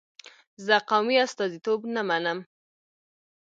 زه قومي استازیتوب نه منم.